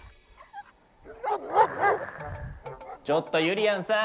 ちょっとゆりやんさん！